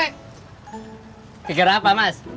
geger apa mas